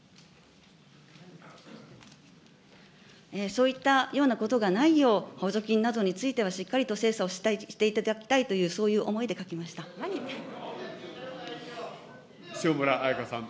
そういったようなことがないよう、補助金などについてはしっかりと精査をしていただきたいと、そう塩村あやかさん。